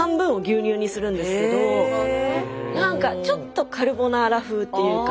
なんかちょっとカルボナーラ風っていうか。